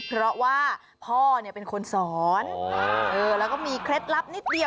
เพราะว่าพ่อเนี่ยเป็นคนสอนแล้วก็มีเคล็ดลับนิดเดียว